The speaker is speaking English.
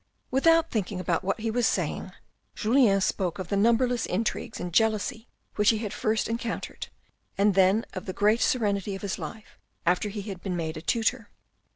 Without thinking about what he was saying Julien spoke ol the numberless intrigues and jealousies which he had first en countered, and then of the great serenity of his life after h« had been made a tutor.